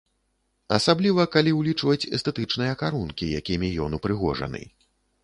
Асабліва, калі ўлічваць эстэтычныя карункі, якімі ён упрыгожаны.